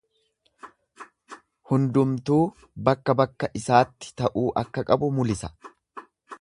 Hundumtuu bakka bakka isaatti ta'uu akka qabu mulisa.